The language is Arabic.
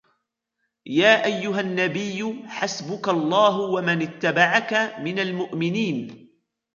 يَا أَيُّهَا النَّبِيُّ حَسْبُكَ اللَّهُ وَمَنِ اتَّبَعَكَ مِنَ الْمُؤْمِنِينَ